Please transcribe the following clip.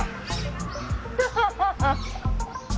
ハハハハ！